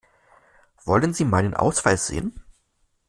Wollen Sie meinen Ausweis sehen?